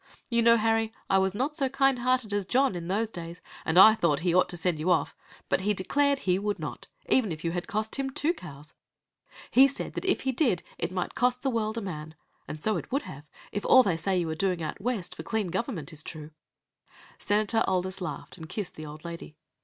You know, Harry, I was not so kind hearted as John in those days and I thought he ought to send you off. But he declared he would not, even if you had cost him two cows. He said that if he did it might cost the world a man. And so it would have, if all they say you are doing out West for clean government is true." Senator Aldis laughed, and kissed the old lady.